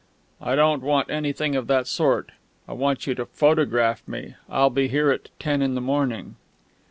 "I don't want anything of that sort. I want you to photograph me. I'll be here at ten in the morning."